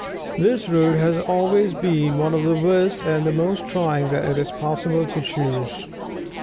This road has always been one of the worst and most trying that it is possible to choose.